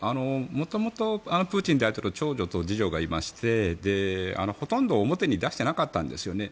元々、プーチン大統領長女と次女がいましてほとんど表に出していなかったんですよね。